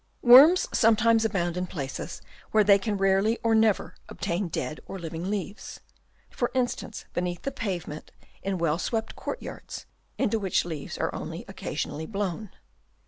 Worms sometimes abound in places where they can rarely or never obtain dead or living leaves ; for instance, beneath the pave ment in well swept courtyards, into which leaves are only occasionally blow T n.